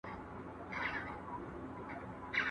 د یوناني طبابت اغېزه د درملو پر تجارت څه وو؟